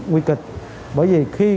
nguy kịch bởi vì khi